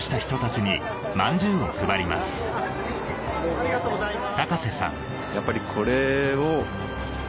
ありがとうございます。